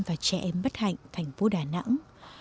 và trẻ em bất hạnh thành phố đà nẵng